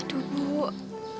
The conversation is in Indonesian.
ini gak mungkin